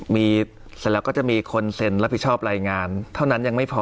มีเสร็จแล้วก็จะมีคนเซ็นรับผิดชอบรายงานเท่านั้นยังไม่พอ